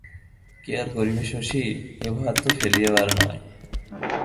কী আর করিবে শশী, এ ভার তো ফেলিবার নয়।